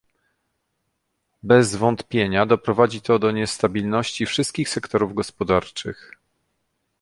Bez wątpienia doprowadzi to do niestabilności wszystkich sektorów gospodarczych